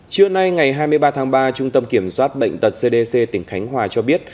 trưa nay ngày hai mươi ba tháng ba trung tâm kiểm soát bệnh tật cdc tỉnh khánh hòa cho biết